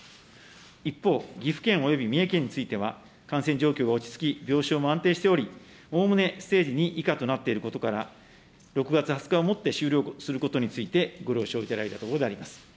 一方、岐阜県および三重県については、感染状況が落ち着き、病床も安定しており、おおむねステージ２以下となっていることから、６月２０日をもって終了することについて、ご了承いただいたところであります。